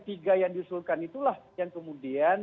tiga yang diusulkan itulah yang kemudian